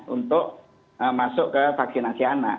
untuk masuk ke vaksinasi anak